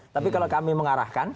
tapi kalau kami mengarahkan